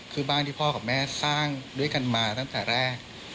คือบ้านที่พ่อกับแม่สร้างด้วยกันมาตั้งแต่แรก